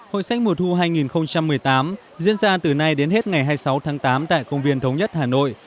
hội sách mùa thu hai nghìn một mươi tám diễn ra từ nay đến hết ngày hai mươi sáu tháng tám tại công viên thống nhất hà nội